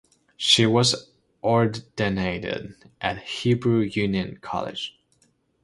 She was ordained at Hebrew Union College.